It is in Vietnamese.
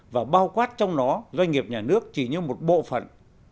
và bao quát trong đó doanh nghiệp nhà nước chỉ như một bộ phận